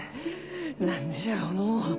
何でじゃろうのう？